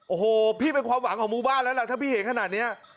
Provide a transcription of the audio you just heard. โอ้โหพี่เป็นความหวังของหมู่บ้านแล้วล่ะถ้าพี่เห็นขนาดนี้